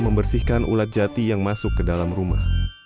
membersihkan ulat jati yang masuk ke dalam rumah